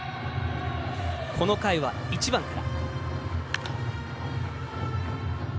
この回は１番から。